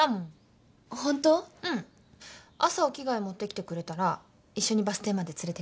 朝お着替え持ってきてくれたら一緒にバス停まで連れてく。